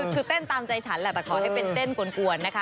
คือเต้นตามใจฉันแหละแต่ขอให้เป็นเต้นกวนนะคะ